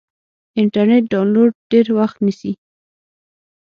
انټرنیټ ډاونلوډ ډېر وخت نیسي.